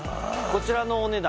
こちらのお値段